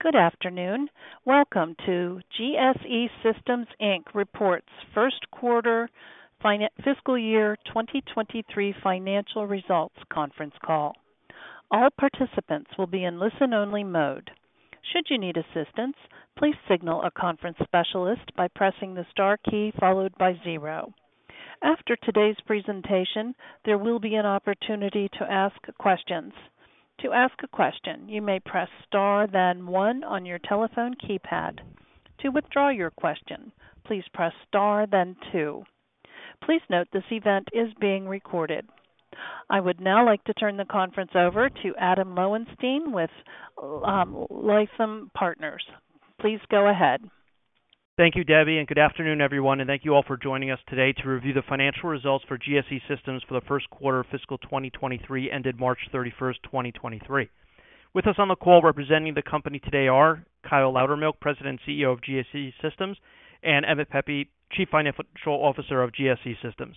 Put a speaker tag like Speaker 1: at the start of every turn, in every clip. Speaker 1: Good afternoon. Welcome to GSE Systems Inc. Reports First Quarter Fiscal Year 2023 Financial Results Conference Call. All participants will be in listen-only mode. Should you need assistance, please signal a conference specialist by pressing the star key followed by zero. After today's presentation, there will be an opportunity to ask questions. To ask a question, you may press Star then one on your telephone keypad. To withdraw your question, please press Star then two. Please note this event is being recorded. I would now like to turn the conference over to Adam Lowenstein with Lytham Partners. Please go ahead.
Speaker 2: Thank you, Debbie, and good afternoon, everyone, and thank you all for joining us today to review the financial results for GSE Systems for the first quarter of fiscal 2023 ended March 31st, 2023. With us on the call representing the company today are Kyle Loudermilk, President, CEO of GSE Systems, and Emmett Pepe, Chief Financial Officer of GSE Systems.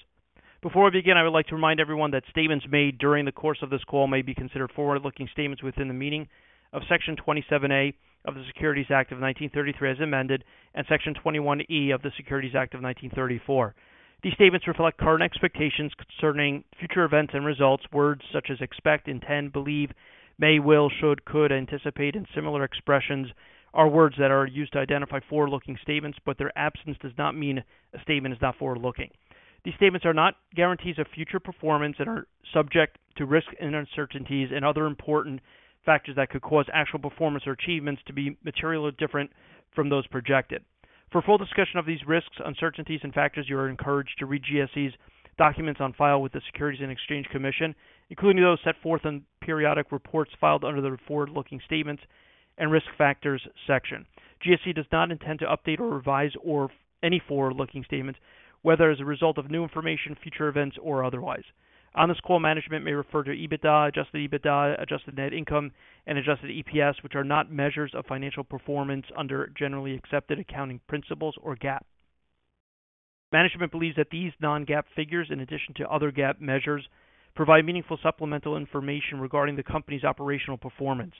Speaker 2: Before we begin, I would like to remind everyone that statements made during the course of this call may be considered forward-looking statements within the meaning of Section 27A of the Securities Act of 1933 as amended, and Section 21E of the Securities Exchange Act of 1934. These statements reflect current expectations concerning future events and results. Words such as expect, intend, believe, may, will, should, could, anticipate and similar expressions are words that are used to identify forward-looking statements, but their absence does not mean a statement is not forward-looking. These statements are not guarantees of future performance and are subject to risks and uncertainties and other important factors that could cause actual performance or achievements to be materially different from those projected. For full discussion of these risks, uncertainties, and factors, you are encouraged to read GSE's documents on file with the Securities and Exchange Commission, including those set forth in periodic reports filed under the Forward-Looking Statements and Risk Factors section. GSE does not intend to update or revise any forward-looking statements, whether as a result of new information, future events or otherwise. On this call, management may refer to EBITDA, Adjusted EBITDA, adjusted net income, and Adjusted EPS, which are not measures of financial performance under generally accepted accounting principles or GAAP. Management believes that these non-GAAP figures, in addition to other GAAP measures, provide meaningful supplemental information regarding the company's operational performance.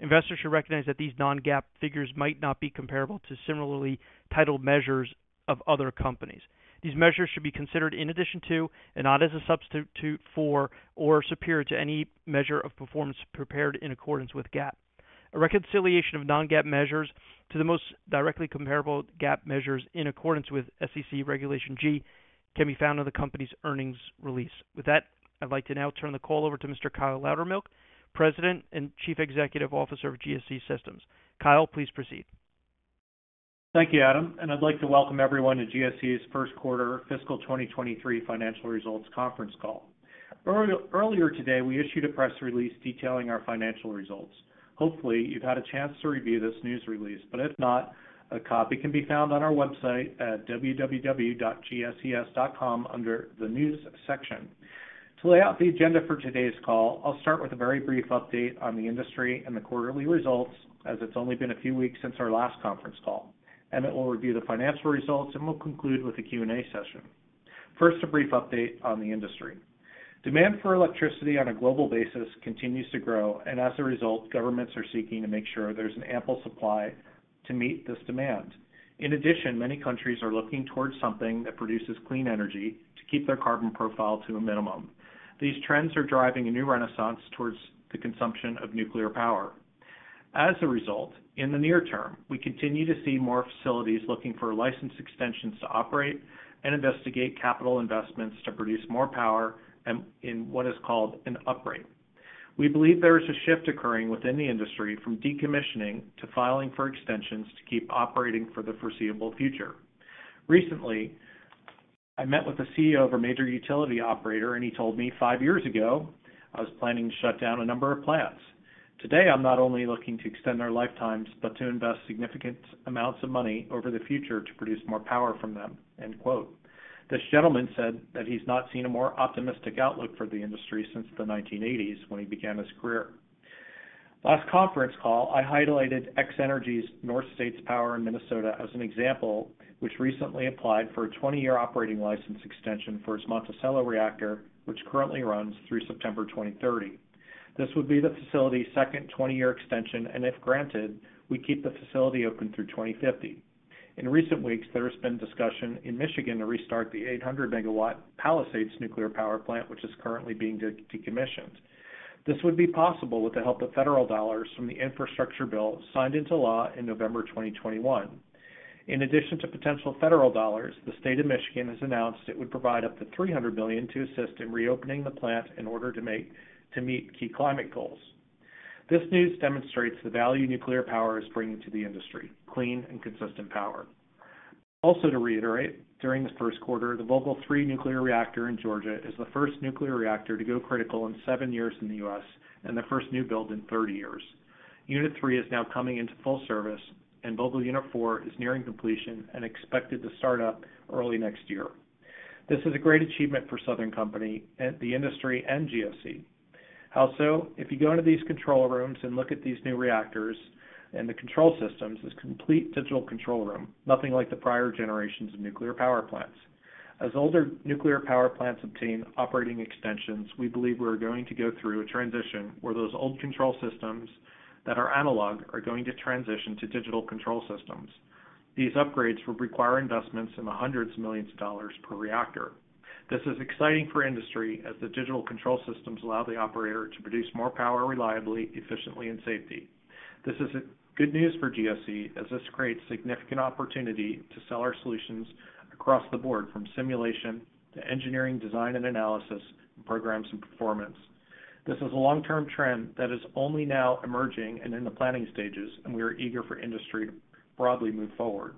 Speaker 2: Investors should recognize that these non-GAAP figures might not be comparable to similarly titled measures of other companies. These measures should be considered in addition to and not as a substitute for or superior to any measure of performance prepared in accordance with GAAP. A reconciliation of non-GAAP measures to the most directly comparable GAAP measures in accordance with SEC Regulation G can be found on the company's earnings release. With that, I'd like to now turn the call over to Mr. Kyle Loudermilk, President and Chief Executive Officer of GSE Systems. Kyle, please proceed.
Speaker 3: Thank you, Adam. I'd like to welcome everyone to GSE's First Quarter Fiscal 2023 Financial Results Conference Call. Earlier today, we issued a press release detailing our financial results. Hopefully, you've had a chance to review this news release, but if not, a copy can be found on our website at www.gses.com under the News section. To lay out the agenda for today's call, I'll start with a very brief update on the industry and the quarterly results, as it's only been a few weeks since our last conference call. Emmett will review the financial results, and we'll conclude with a Q&A session. First, a brief update on the industry. Demand for electricity on a global basis continues to grow, and as a result, governments are seeking to make sure there's an ample supply to meet this demand. In addition, many countries are looking towards something that produces clean energy to keep their carbon profile to a minimum. These trends are driving a new renaissance towards the consumption of nuclear power. As a result, in the near term, we continue to see more facilities looking for license extensions to operate and investigate capital investments to produce more power in what is called an upgrade. We believe there is a shift occurring within the industry from decommissioning to filing for extensions to keep operating for the foreseeable future. Recently, I met with the CEO of a major utility operator, he told me, "5 years ago, I was planning to shut down a number of plants. Today, I'm not only looking to extend their lifetimes, but to invest significant amounts of money over the future to produce more power from them. This gentleman said that he's not seen a more optimistic outlook for the industry since the 1980s when he began his career. Last conference call, I highlighted X-energy's Northern States Power in Minnesota as an example, which recently applied for a 20-year operating license extension for its Monticello reactor, which currently runs through September 2030. This would be the facility's second 20-year extension, and if granted, we keep the facility open through 2050. In recent weeks, there has been discussion in Michigan to restart the 800 megawatt Palisades Nuclear Power Plant, which is currently being decommissioned. This would be possible with the help of federal dollars from the infrastructure bill signed into law in November 2021. In addition to potential federal dollars, the state of Michigan has announced it would provide up to $300 million to assist in reopening the plant in order to meet key climate goals. This news demonstrates the value nuclear power is bringing to the industry, clean and consistent power. To reiterate, during this first quarter, the Vogtle 3 nuclear reactor in Georgia is the first nuclear reactor to go critical in 7 years in the U.S. and the first new build in 30 years. Unit 3 is now coming into full service, and Vogtle unit 4 is nearing completion and expected to start up early next year. This is a great achievement for Southern Company and the industry and GSE. If you go into these control rooms and look at these new reactors and the control systems, this complete digital control room, nothing like the prior generations of nuclear power plants. As older nuclear power plants obtain operating extensions, we believe we're going to go through a transition where those old control systems that are analog are going to transition to digital control systems. These upgrades would require investments in the hundreds of millions of dollars per reactor. This is exciting for industry as the digital control systems allow the operator to produce more power reliably, efficiently, and safely. This is good news for GSE as this creates significant opportunity to sell our solutions across the board, from simulation to engineering, design and analysis, and programs and performance. This is a long-term trend that is only now emerging and in the planning stages, and we are eager for industry to broadly move forward.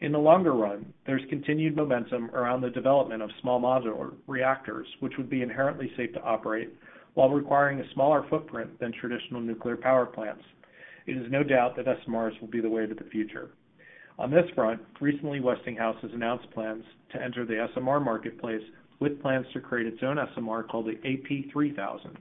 Speaker 3: In the longer run, there's continued momentum around the development of Small Modular Reactors, which would be inherently safe to operate while requiring a smaller footprint than traditional nuclear power plants. It is no doubt that SMRs will be the way to the future. On this front, recently, Westinghouse has announced plans to enter the SMR marketplace with plans to create its own SMR called the AP300.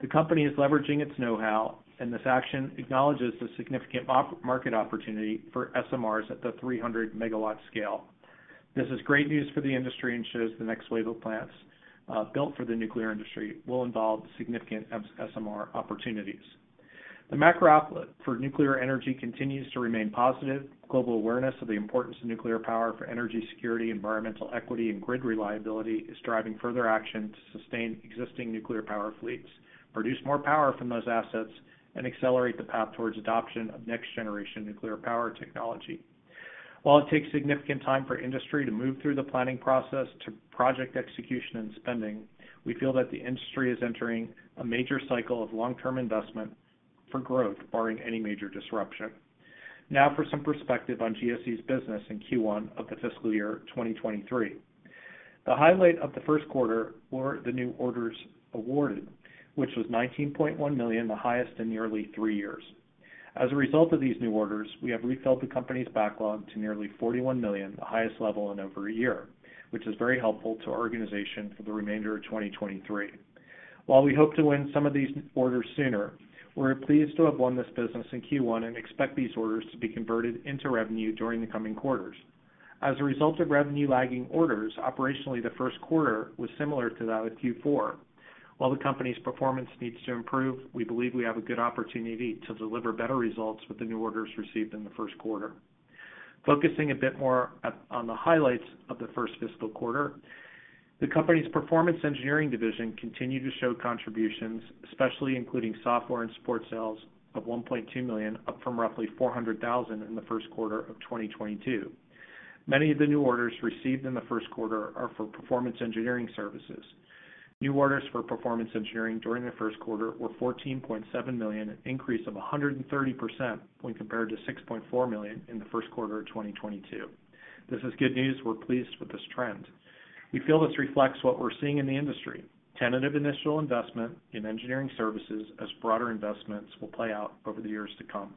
Speaker 3: The company is leveraging its know-how, and this action acknowledges the significant market opportunity for SMRs at the 300 megawatt scale. This is great news for the industry and shows the next wave of plants built for the nuclear industry will involve significant SMR opportunities. The macro outlet for nuclear energy continues to remain positive. Global awareness of the importance of nuclear power for energy security, environmental equity, and grid reliability is driving further action to sustain existing nuclear power fleets, produce more power from those assets, and accelerate the path towards adoption of next generation nuclear power technology. While it takes significant time for industry to move through the planning process to project execution and spending, we feel that the industry is entering a major cycle of long-term investment for growth barring any major disruption. For some perspective on GSE's business in Q1 of the fiscal year 2023. The highlight of the first quarter were the new orders awarded, which was $19.1 million, the highest in nearly three years. As a result of these new orders, we have refilled the company's backlog to nearly $41 million, the highest level in over a year, which is very helpful to our organization for the remainder of 2023. While we hope to win some of these orders sooner, we're pleased to have won this business in Q1 and expect these orders to be converted into revenue during the coming quarters. As a result of revenue lagging orders, operationally, the first quarter was similar to that of Q4. While the company's performance needs to improve, we believe we have a good opportunity to deliver better results with the new orders received in the first quarter. Focusing a bit more on the highlights of the first fiscal quarter, the company's Performance Engineering division continued to show contributions, especially including software and support sales of $1.2 million, up from roughly $400,000 in the first quarter of 2022. Many of the new orders received in the first quarter are for Performance Engineering services. New orders for Performance Engineering during the first quarter were $14.7 million, an increase of 130% when compared to $6.4 million in the first quarter of 2022. This is good news. We're pleased with this trend. We feel this reflects what we're seeing in the industry, tentative initial investment in engineering services as broader investments will play out over the years to come.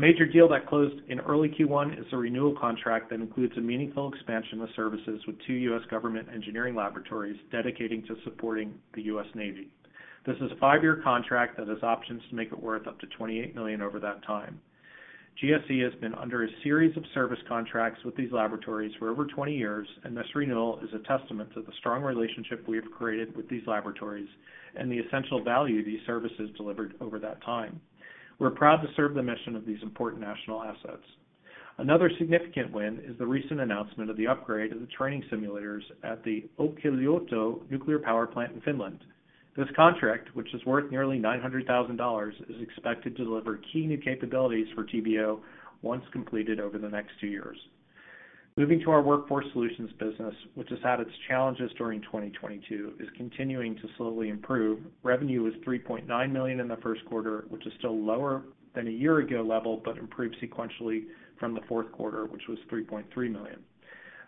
Speaker 3: A major deal that closed in early Q1 is a renewal contract that includes a meaningful expansion of services with two U.S. government engineering laboratories dedicating to supporting the U.S. Navy. This is a 5-year contract that has options to make it worth up to $28 million over that time. GSE has been under a series of service contracts with these laboratories for over 20 years, and this renewal is a testament to the strong relationship we have created with these laboratories and the essential value these services delivered over that time. We're proud to serve the mission of these important national assets. Another significant win is the recent announcement of the upgrade of the training simulators at the Olkiluoto Nuclear Power Plant in Finland. This contract, which is worth nearly $900,000, is expected to deliver key new capabilities for TBO once completed over the next two years. Moving to our Workforce Solutions business, which has had its challenges during 2022, is continuing to slowly improve. Revenue was $3.9 million in the first quarter, which is still lower than a year ago level, improved sequentially from the fourth quarter, which was $3.3 million.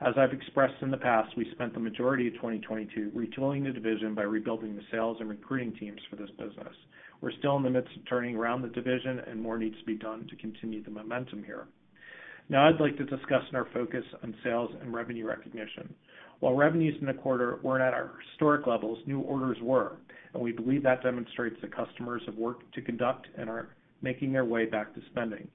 Speaker 3: As I've expressed in the past, we spent the majority of 2022 retooling the division by rebuilding the sales and recruiting teams for this business. We're still in the midst of turning around the division. More needs to be done to continue the momentum here. Now I'd like to discuss in our focus on sales and revenue recognition. While revenues in the quarter weren't at our historic levels, new orders were, and we believe that demonstrates that customers have work to conduct and are making their way back to spending.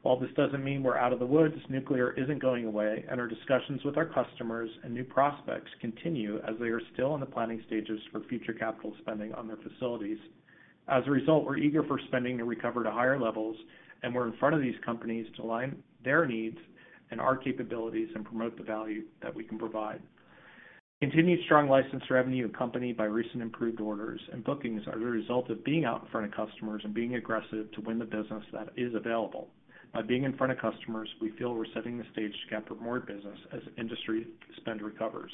Speaker 3: While this doesn't mean we're out of the woods, nuclear isn't going away, and our discussions with our customers and new prospects continue as they are still in the planning stages for future capital spending on their facilities. As a result, we're eager for spending to recover to higher levels, and we're in front of these companies to align their needs and our capabilities and promote the value that we can provide. Continued strong license revenue accompanied by recent improved orders and bookings are the result of being out in front of customers and being aggressive to win the business that is available. By being in front of customers, we feel we're setting the stage to capture more business as industry spend recovers.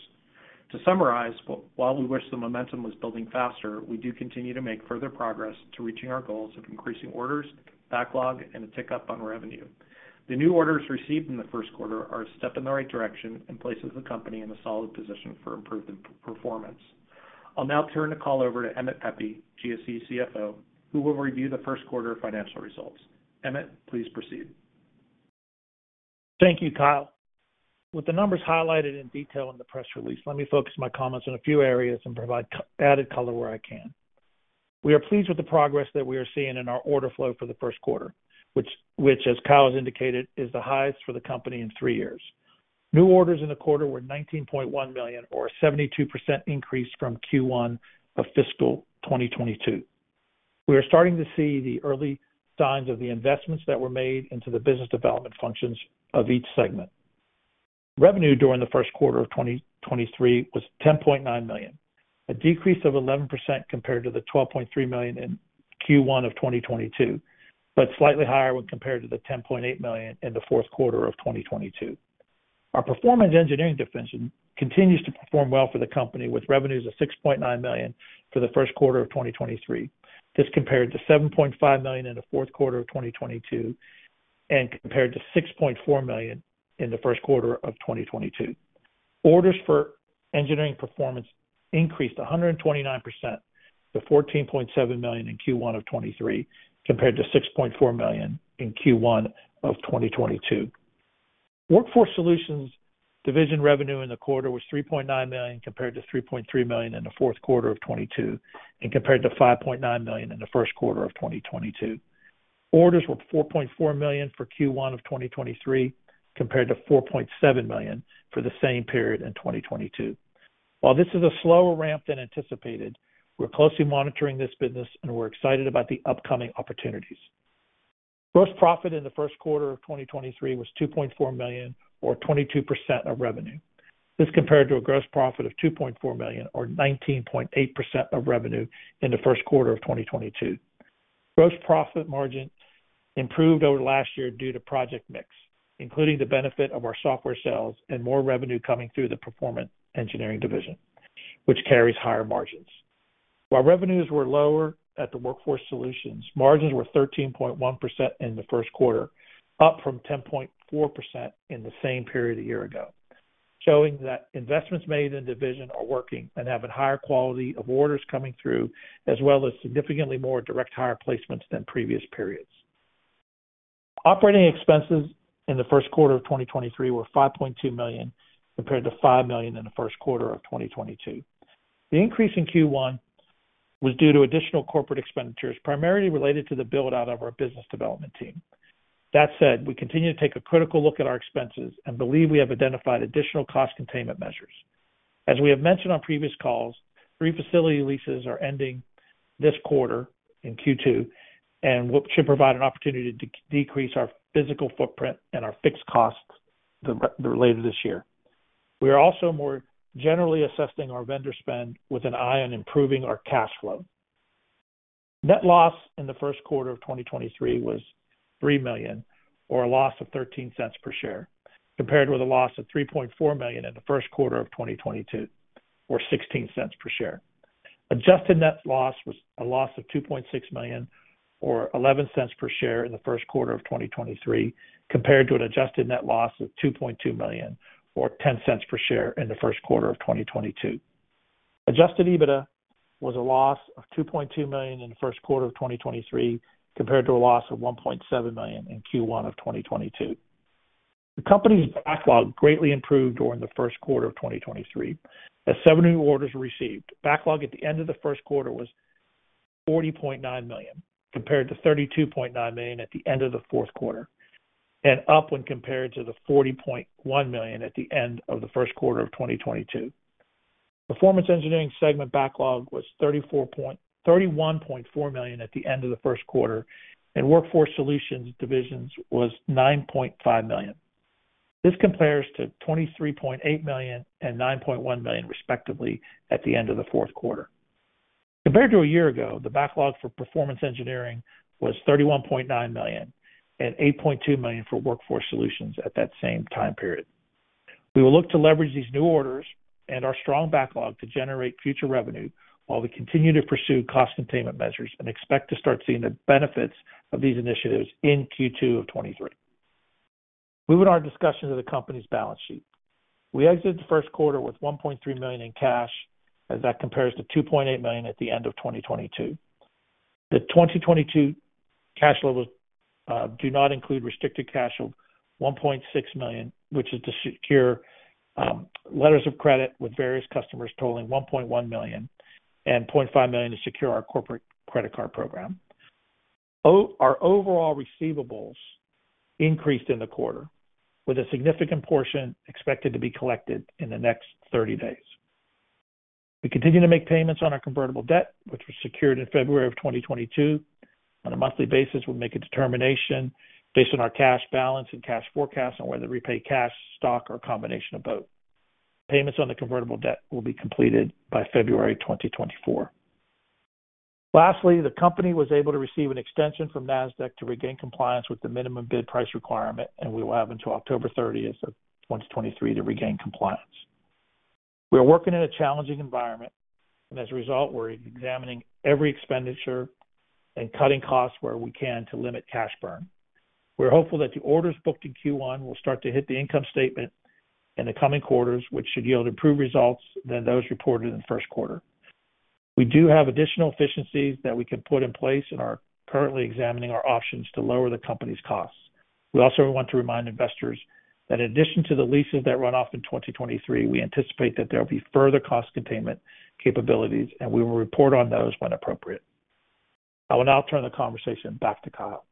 Speaker 3: To summarize, while we wish the momentum was building faster, we do continue to make further progress to reaching our goals of increasing orders, backlog, and a tick-up on revenue. The new orders received in the 1st quarter are a step in the right direction and places the company in a solid position for improved performance. I'll now turn the call over to Emmett Pepe, GSE CFO, who will review the 1st quarter financial results. Emmett, please proceed.
Speaker 4: Thank you, Kyle. With the numbers highlighted in detail in the press release, let me focus my comments on a few areas and provide added color where I can. We are pleased with the progress that we are seeing in our order flow for the first quarter, which as Kyle has indicated, is the highest for the company in three years. New orders in the quarter were $19.1 million, or a 72% increase from Q1 of fiscal 2022. We are starting to see the early signs of the investments that were made into the business development functions of each segment. Revenue during the first quarter of 2023 was $10.9 million, a decrease of 11% compared to the $12.3 million in Q1 of 2022, slightly higher when compared to the $10.8 million in the fourth quarter of 2022. Our Performance Engineering division continues to perform well for the company, with revenues of $6.9 million for the first quarter of 2023. This compared to $7.5 million in the fourth quarter of 2022, compared to $6.4 million in the first quarter of 2022. Orders for Performance Engineering increased 129% to $14.7 million in Q1 of 2023, compared to $6.4 million in Q1 of 2022. Workforce Solutions division revenue in the quarter was $3.9 million, compared to $3.3 million in the fourth quarter of 2022, and compared to $5.9 million in the first quarter of 2022. Orders were $4.4 million for Q1 of 2023, compared to $4.7 million for the same period in 2022. While this is a slower ramp than anticipated, we're closely monitoring this business, and we're excited about the upcoming opportunities. Gross profit in the first quarter of 2023 was $2.4 million, or 22% of revenue. This compared to a gross profit of $2.4 million, or 19.8% of revenue in the first quarter of 2022. Gross profit margin improved over last year due to project mix, including the benefit of our software sales and more revenue coming through the Performance Engineering division, which carries higher margins. While revenues were lower at the Workforce Solutions, margins were 13.1% in the first quarter, up from 10.4% in the same period a year ago, showing that investments made in division are working and having higher quality of orders coming through, as well as significantly more direct hire placements than previous periods. Operating expenses in the first quarter of 2023 were $5.2 million, compared to $5 million in the first quarter of 2022. The increase in Q1 was due to additional corporate expenditures, primarily related to the build-out of our business development team. That said, we continue to take a critical look at our expenses and believe we have identified additional cost containment measures. As we have mentioned on previous calls, three facility leases are ending this quarter in Q2, which should provide an opportunity to decrease our physical footprint and our fixed costs later this year. We are also more generally assessing our vendor spend with an eye on improving our cash flow. Net loss in the first quarter of 2023 was $3 million, or a loss of $0.13 per share, compared with a loss of $3.4 million in the first quarter of 2022, or $0.16 per share. Adjusted net loss was a loss of $2.6 million or $0.11 per share in the first quarter of 2023, compared to an adjusted net loss of $2.2 million or $0.10 per share in the first quarter of 2022. Adjusted EBITDA was a loss of $2.2 million in the first quarter of 2023, compared to a loss of $1.7 million in Q1 of 2022. The company's backlog greatly improved during the first quarter of 2023 as seven new orders were received. Backlog at the end of the first quarter was $40.9 million, compared to $32.9 million at the end of the fourth quarter, and up when compared to the $40.1 million at the end of the first quarter of 2022. Performance Engineering segment backlog was $31.4 million at the end of the first quarter, and Workforce Solutions divisions was $9.5 million. This compares to $23.8 million and $9.1 million, respectively, at the end of the fourth quarter. Compared to a year ago, the backlog for Performance Engineering was $31.9 million and $8.2 million for Workforce Solutions at that same time period. We will look to leverage these new orders and our strong backlog to generate future revenue while we continue to pursue cost containment measures and expect to start seeing the benefits of these initiatives in Q2 of 2023. Moving on to our discussion of the company's balance sheet. We exited the first quarter with $1.3 million in cash as that compares to $2.8 million at the end of 2022. The 2022 cash levels do not include restricted cash of $1.6 million, which is to secure letters of credit with various customers totaling $1.1 million and $0.5 million to secure our corporate credit card program. Our overall receivables increased in the quarter, with a significant portion expected to be collected in the next 30 days. We continue to make payments on our convertible debt, which was secured in February of 2022. On a monthly basis, we'll make a determination based on our cash balance and cash forecast on whether to repay cash, stock, or a combination of both. Payments on the convertible debt will be completed by February 2024. Lastly, the company was able to receive an extension from Nasdaq to regain compliance with the minimum bid price requirement, and we will have until October 30, 2023 to regain compliance. We are working in a challenging environment, and as a result, we're examining every expenditure and cutting costs where we can to limit cash burn. We're hopeful that the orders booked in Q1 will start to hit the income statement in the coming quarters, which should yield improved results than those reported in the first quarter. We do have additional efficiencies that we can put in place and are currently examining our options to lower the company's costs. We also want to remind investors that in addition to the leases that run off in 2023, we anticipate that there will be further cost containment capabilities, and we will report on those when appropriate. I will now turn the conversation back to Kyle.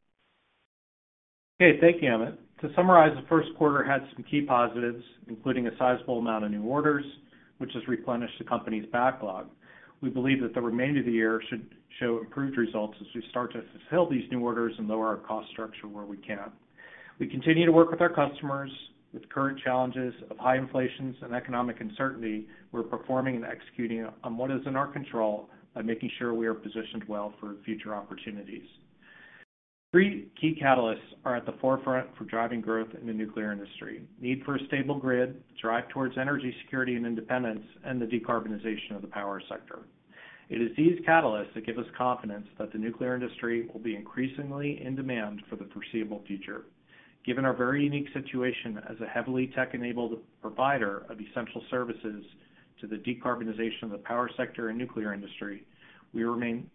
Speaker 3: Okay. Thank you, Emmett. To summarize, the first quarter had some key positives, including a sizable amount of new orders, which has replenished the company's backlog. We believe that the remainder of the year should show improved results as we start to fulfill these new orders and lower our cost structure where we can. We continue to work with our customers with current challenges of high inflation and economic uncertainty. We're performing and executing on what is in our control by making sure we are positioned well for future opportunities. Three key catalysts are at the forefront for driving growth in the nuclear industry: need for a stable grid, drive towards energy security and independence, and the decarbonization of the power sector. It is these catalysts that give us confidence that the nuclear industry will be increasingly in demand for the foreseeable future. Given our very unique situation as a heavily tech-enabled provider of essential services to the decarbonization of the power sector and nuclear industry, we remain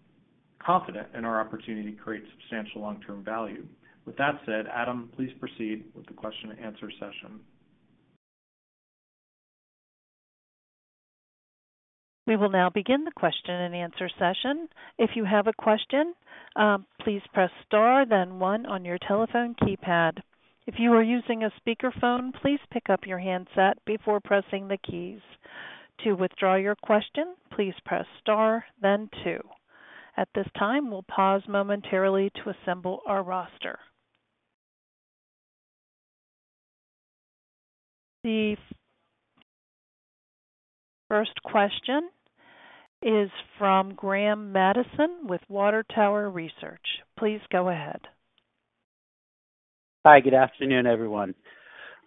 Speaker 3: confident in our opportunity to create substantial long-term value. With that said, Adam, please proceed with the question and answer session.
Speaker 1: We will now begin the question-and-answer session. If you have a question, please press star then one on your telephone keypad. If you are using a speakerphone, please pick up your handset before pressing the keys. To withdraw your question, please press star then two. At this time, we'll pause momentarily to assemble our roster. The first question is from Graham Mattison with Water Tower Research. Please go ahead.
Speaker 5: Hi. Good afternoon, everyone.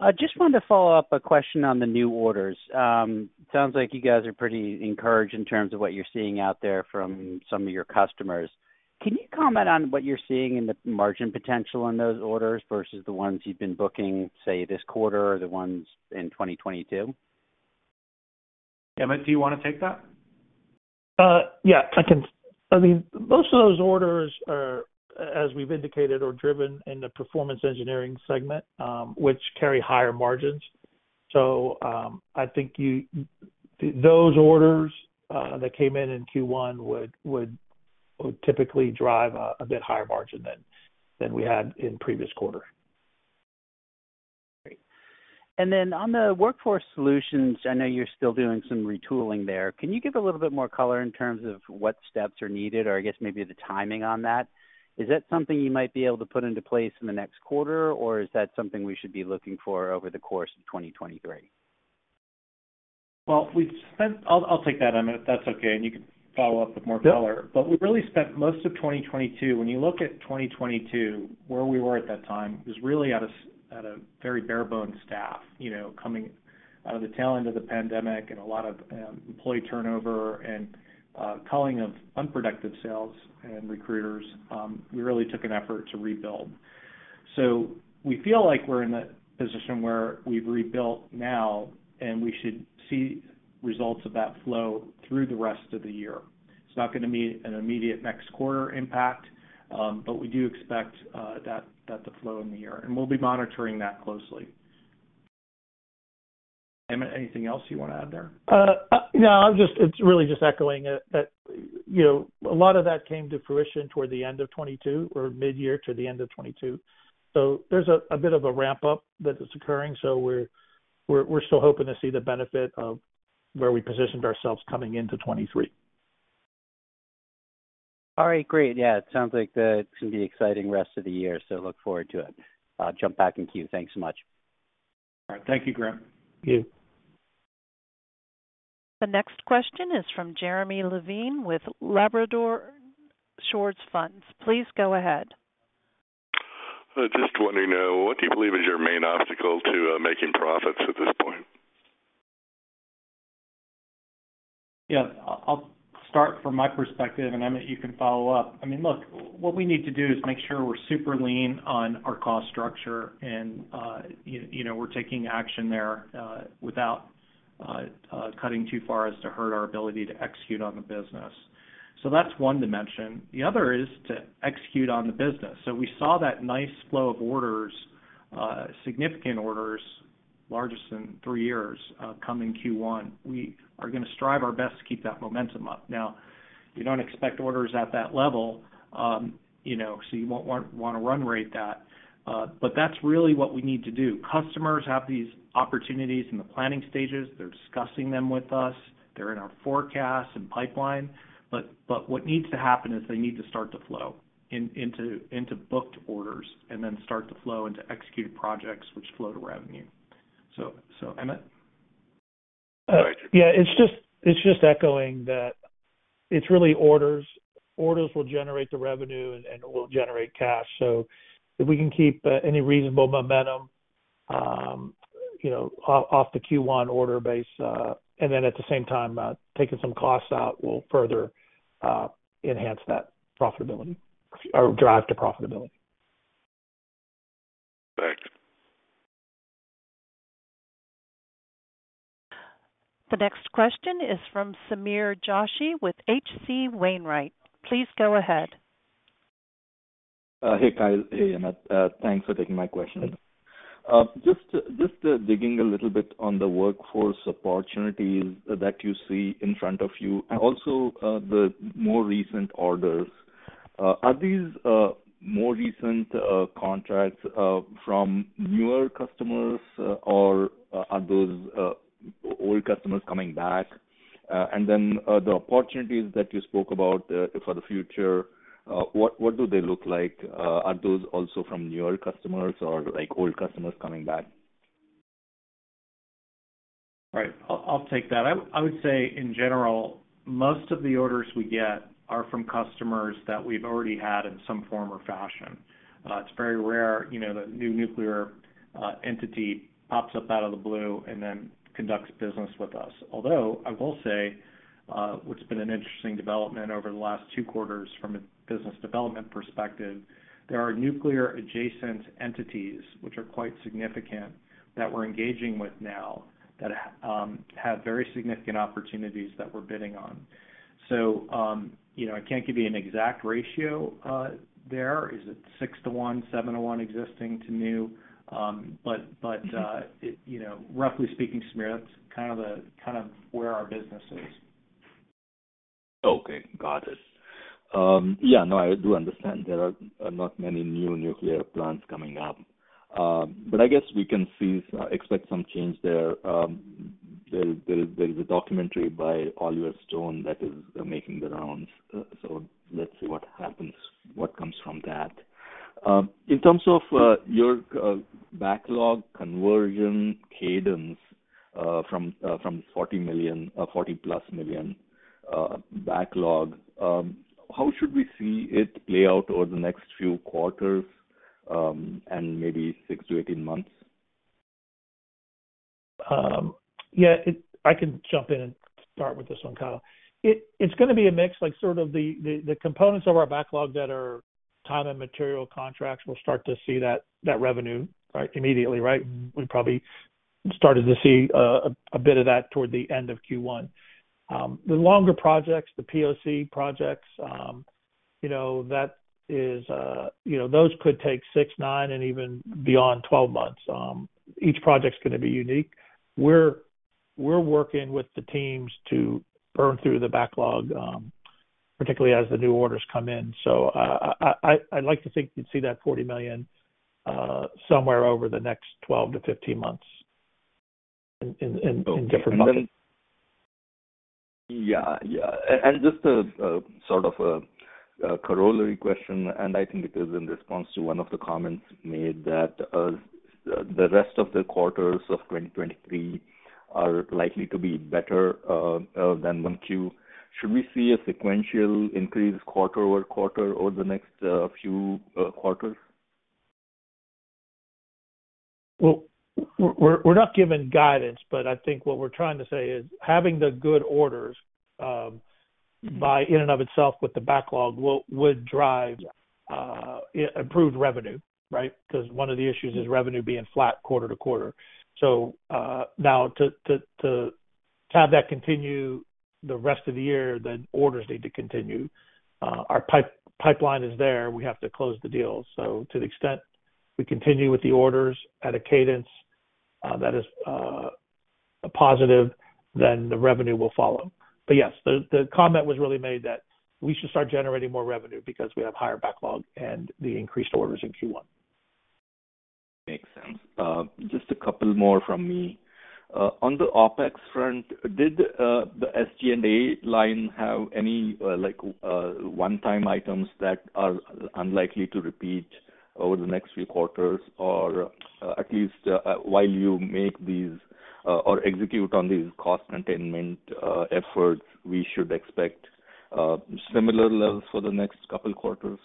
Speaker 5: I just wanted to follow up a question on the new orders. Sounds like you guys are pretty encouraged in terms of what you're seeing out there from some of your customers. Can you comment on what you're seeing in the margin potential in those orders versus the ones you've been booking, say, this quarter or the ones in 2022?
Speaker 3: Emmett, do you wanna take that?
Speaker 4: Yeah, I can. I mean, most of those orders are, as we've indicated, are driven in the Performance Engineering segment, which carry higher margins. I think those orders that came in in Q1 would typically drive a bit higher margin than we had in previous quarter.
Speaker 5: Great. On the Workforce Solutions, I know you're still doing some retooling there. Can you give a little bit more color in terms of what steps are needed or I guess maybe the timing on that? Is that something you might be able to put into place in the next quarter, or is that something we should be looking for over the course of 2023?
Speaker 3: Well, I'll take that, Emmett, if that's okay, and you can follow up with more color.
Speaker 4: Yep.
Speaker 3: We really spent most of 2022. When you look at 2022, where we were at that time was really at a very barebone staff, you know, coming out of the tail end of the pandemic and a lot of employee turnover and culling of unproductive sales and recruiters. We really took an effort to rebuild. We feel like we're in a position where we've rebuilt now and we should see results of that flow through the rest of the year. It's not gonna be an immediate next quarter impact, but we do expect that to flow in the year, and we'll be monitoring that closely. Emmett, anything else you wanna add there?
Speaker 4: No. I'm just echoing that, you know, a lot of that came to fruition toward the end of 2022 or midyear to the end of 2022. There's a bit of a ramp-up that is occurring, we're still hoping to see the benefit of where we positioned ourselves coming into 2023.
Speaker 5: All right. Great. Yeah. It sounds like it's gonna be exciting rest of the year. Look forward to it. I'll jump back in queue. Thanks so much.
Speaker 3: All right. Thank you, Graham.
Speaker 4: Thank you.
Speaker 1: The next question is from Jeremy Levine with Labrador Short Funds. Please go ahead.
Speaker 6: Just wondering, what do you believe is your main obstacle to making profits at this point?
Speaker 3: I'll start from my perspective, and Emmett, you can follow up. I mean, look, what we need to do is make sure we're super lean on our cost structure and, you know, we're taking action there, without cutting too far as to hurt our ability to execute on the business. That's one dimension. The other is to execute on the business. We saw that nice flow of orders, significant orders, largest in three years, come in Q1. We are gonna strive our best to keep that momentum up. We don't expect orders at that level, you know, so you won't want to run rate that, but that's really what we need to do. Customers have these opportunities in the planning stages. They're discussing them with us. They're in our forecast and pipeline. what needs to happen is they need to start to flow into booked orders and then start to flow into executed projects which flow to revenue. Emmett, go ahead.
Speaker 4: It's just echoing that it's really orders. Orders will generate the revenue and will generate cash. If we can keep any reasonable momentum, you know, off the Q1 order base, at the same time, taking some costs out will further enhance that profitability or drive to profitability.
Speaker 6: Thanks.
Speaker 1: The next question is from Sameer Joshi with H.C. Wainwright. Please go ahead.
Speaker 7: Hey, Kyle. Hey, Emmett. Thanks for taking my question. Just digging a little bit on the workforce opportunities that you see in front of you and also, the more recent orders. Are these, more recent, contracts, from newer customers, or, are those, old customers coming back? Then, the opportunities that you spoke about, for the future, what do they look like? Are those also from newer customers or, like, old customers coming back?
Speaker 3: Right. I'll take that. I would say in general most of the orders we get are from customers that we've already had in some form or fashion. It's very rare, you know, that a new nuclear entity pops up out of the blue and then conducts business with us. Although I will say, what's been an interesting development over the last two quarters from a business development perspective, there are nuclear adjacent entities which are quite significant that we're engaging with now that have very significant opportunities that we're bidding on. You know, I can't give you an exact ratio there. Is it 6 to 1, 7 to 1 existing to new? You know, roughly speaking, Sameer, that's kind of where our business is.
Speaker 7: Okay. Got it. Yeah, no, I do understand there are not many new nuclear plants coming up. I guess we can expect some change there. There's a documentary by Oliver Stone that is making the rounds, let's see what happens, what comes from that. In terms of your backlog conversion cadence, from $40 million or $40+ million backlog, how should we see it play out over the next few quarters, and maybe 6-18 months?
Speaker 4: Yeah, I can jump in and start with this one, Kyle. It's gonna be a mix, like sort of the components of our backlog that are time and material contracts. We'll start to see that revenue, right? Immediately, right? We probably started to see a bit of that toward the end of Q1. The longer projects, the POC projects, you know, that is, you know, those could take 6, 9, and even beyond 12 months. Each project's gonna be unique. We're working with the teams to burn through the backlog, particularly as the new orders come in. I'd like to think you'd see that $40 million somewhere over the next 12 to 15 months in different buckets.
Speaker 7: Yeah. Yeah. Just a sort of a corollary question, and I think it is in response to one of the comments made that the rest of the quarters of 2023 are likely to be better than 1Q. Should we see a sequential increase quarter-over-quarter over the next few quarters?
Speaker 4: We're not giving guidance, but I think what we're trying to say is having the good orders by in and of itself with the backlog would drive improved revenue, right? One of the issues is revenue being flat quarter to quarter. Now to have that continue the rest of the year, orders need to continue. Our pipeline is there. We have to close the deals. To the extent we continue with the orders at a cadence that is a positive, the revenue will follow. Yes, the comment was really made that we should start generating more revenue because we have higher backlog and the increased orders in Q1.
Speaker 7: Makes sense. Just a couple more from me. On the OpEx front, did the SG&A line have any, like, one-time items that are unlikely to repeat over the next few quarters? At least, while you make these, or execute on these cost containment efforts, we should expect similar levels for the next couple quarters?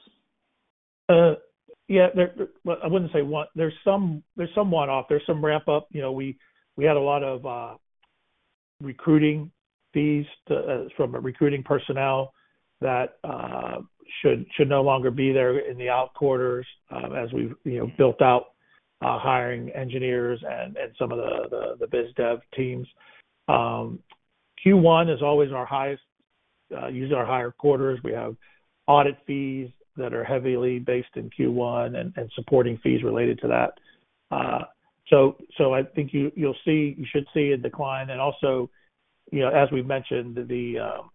Speaker 4: Yeah. Well, I wouldn't say one. There's some one-off. There's some wrap-up. You know, we had a lot of recruiting fees to from recruiting personnel that should no longer be there in the out quarters, as we've, you know, built out hiring engineers and some of the biz dev teams. Q1 is always our highest, usually our higher quarters. We have audit fees that are heavily based in Q1 and supporting fees related to that. I think you should see a decline. Also, you know, as we've mentioned, the, you know,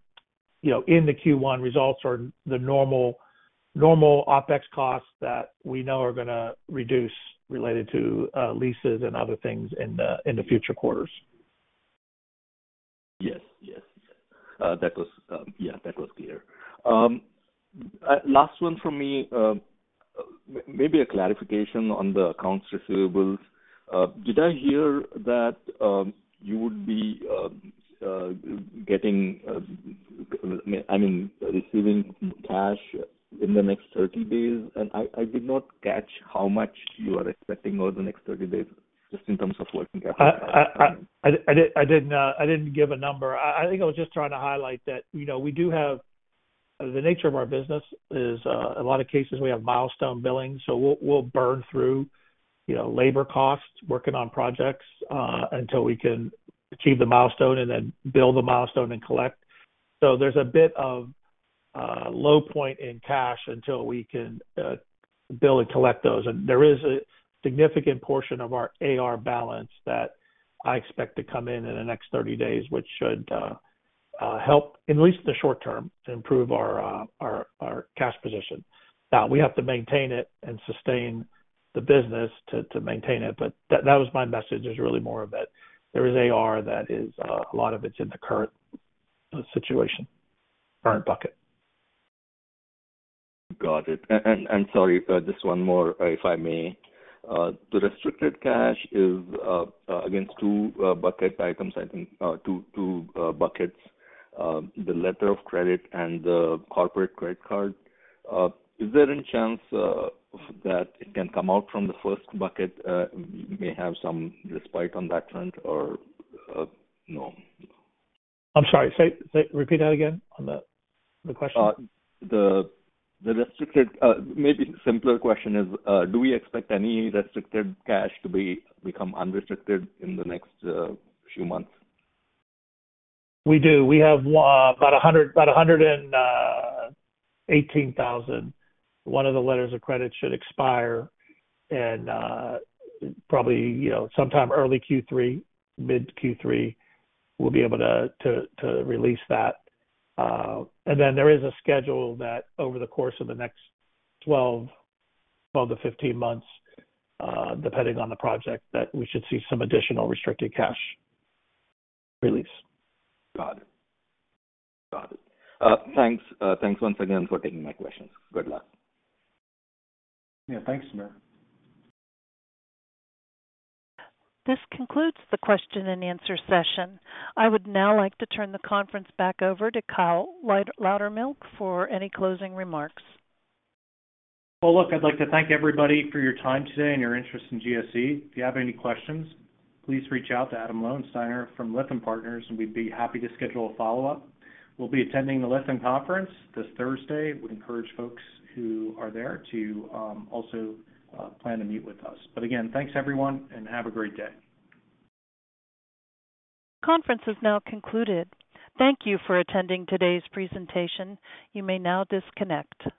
Speaker 4: in the Q1 results are the normal OpEx costs that we know are gonna reduce related to leases and other things in the future quarters.
Speaker 7: Yes. Yes. Yes. That was, yeah, that was clear. Last one from me. Maybe a clarification on the accounts receivables. Did I hear that you would be getting, I mean, receiving cash in the next 30 days? I did not catch how much you are expecting over the next 30 days just in terms of working capital.
Speaker 4: I did, I didn't give a number. I think I was just trying to highlight that, you know, The nature of our business is a lot of cases we have milestone billing, so we'll burn through, you know, labor costs working on projects until we can achieve the milestone and then build the milestone and collect. There's a bit of low point in cash until we can build and collect those. There is a significant portion of our AR balance that I expect to come in in the next 30 days, which should help, in least the short term, to improve our cash position. Now, we have to maintain it and sustain the business to maintain it. That was my message. There's really more of it. There is AR that is, a lot of it's in the current situation, current bucket.
Speaker 7: Got it. I'm sorry, just one more, if I may. The restricted cash is against two bucket items, I think, two buckets. The letter of credit and the corporate credit card. Is there any chance that it can come out from the first bucket? May have some respite on that front or no?
Speaker 4: I'm sorry. Repeat that again on the question?
Speaker 7: The maybe simpler question is, do we expect any restricted cash to become unrestricted in the next few months?
Speaker 4: We do. We have about $18,000. One of the letters of credit should expire probably, you know, sometime early Q3, mid Q3, we'll be able to release that. There is a schedule that over the course of the next 12-15 months, depending on the project, that we should see some additional restricted cash release.
Speaker 7: Got it. Thanks. Thanks once again for taking my questions. Good luck.
Speaker 4: Yeah, thanks, Sameer.
Speaker 1: This concludes the question and answer session. I would now like to turn the conference back over to Kyle Loudermilk for any closing remarks.
Speaker 3: Well, look, I'd like to thank everybody for your time today and your interest in GSE. If you have any questions, please reach out to Adam Lowensteiner from Lytham Partners, and we'd be happy to schedule a follow-up. We'll be attending the Lytham Conference this Thursday. We encourage folks who are there to also plan to meet with us. Again, thanks everyone, and have a great day.
Speaker 1: Conference is now concluded. Thank you for attending today's presentation. You may now disconnect.